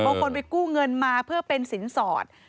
ไปกู้เงินมาเพื่อเป็นสินสอด